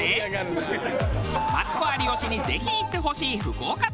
マツコ有吉にぜひ行ってほしい福岡旅。